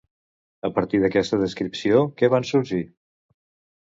A partir d'aquesta descripció, què van sorgir?